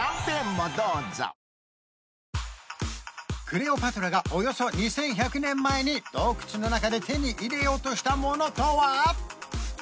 クレオパトラがおよそ２１００年前に洞窟の中で手に入れようとしたものとは？